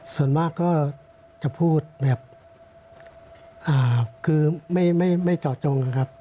ส่วนมากก็จะพูดแบบคือไม่เจาะจงนะครับ